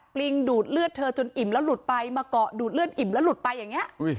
ปริงดูดเลือดเธอจนอิ่มแล้วหลุดไปมาเกาะดูดเลือดอิ่มแล้วหลุดไปอย่างนี้